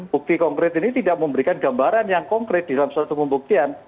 bukti konkret ini tidak memberikan gambaran yang konkret di dalam suatu pembuktian